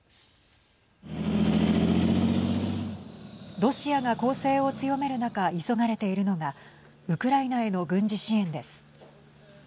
ロシアが攻勢を強める中急がれているのがウクライナへの軍事支援です。